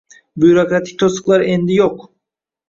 Byurokratik to‘siqlar endi yo‘qng